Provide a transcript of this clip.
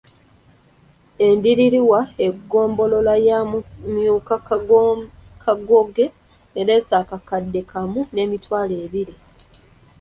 Eddirirwa eggombolola ya Mumyuka Kakooge ereese akakadde kamu n’emitwalo ebiri.